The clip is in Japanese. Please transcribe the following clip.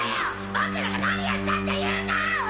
ボクらが何をしたっていうんだ！